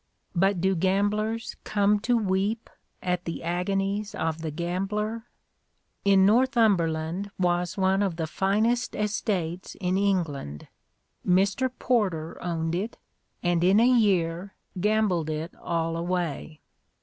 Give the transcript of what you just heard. But do gamblers come to weep at the agonies of the gambler? In Northumberland was one of the finest estates in England. Mr. Porter owned it, and in a year gambled it all away.